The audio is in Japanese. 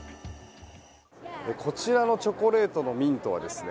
こちらのチョコレートのミントはですね